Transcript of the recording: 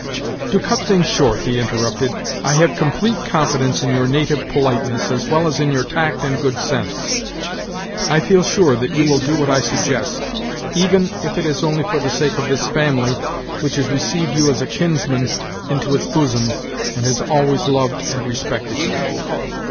"To cut things short," he interrupted, "I have complete confidence in your native politeness, as well as in your tact and good sense. I feel sure that you will do what I suggest, even if it is only for the sake of this family which has received you as a kinsman into its bosom and has always loved and respected you."